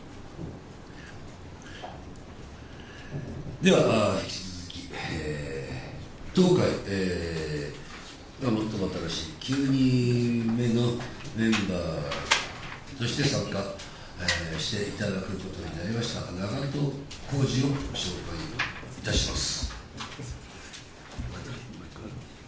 では、引き続き、当会最も新しい９人目のメンバーとして参加していただくことになりました、長渡康二を紹介いたします。